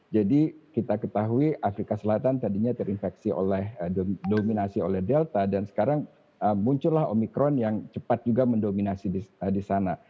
jadi kita ketahui afrika selatan tadinya terinfeksi oleh dominasi oleh delta dan sekarang muncullah omikron yang cepat juga mendominasi di sana